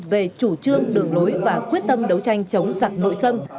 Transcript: về chủ trương đường đối và quyết tâm đấu tranh chống giặc nội sâm